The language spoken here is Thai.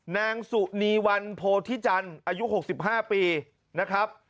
นางสุนีวันโพธิจันทร์อายุ๖๕ปีนะครับ